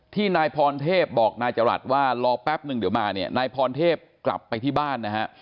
นายพรเทพบอกนายจรัสว่ารอแป๊บนึงเดี๋ยวมาเนี่ยนายพรเทพกลับไปที่บ้านนะฮะ